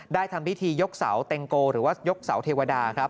ทำพิธียกเสาเต็งโกหรือว่ายกเสาเทวดาครับ